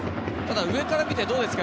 上から見てどうですか？